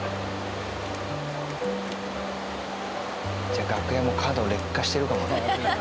じゃあ楽屋も角劣化してるかもね。